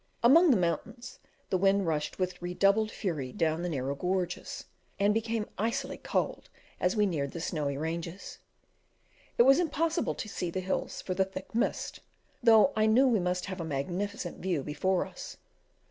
Among the mountains the wind rushed with redoubled fury down the narrow gorges, and became icily cold as we neared the snowy ranges. It was impossible to see the hills for the thick mist, though I knew we must have a magnificent view before us.